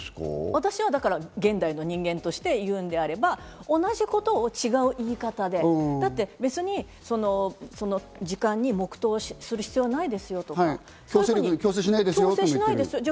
私は現代の人間として言うのであれば同じことを違う言い方でだって別に、その時間に黙とうする必要ないですよとか、強制しないですよって。